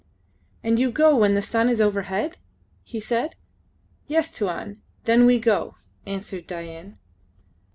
"And you go when the sun is overhead?" he said. "Yes, Tuan. Then we go," answered Dain.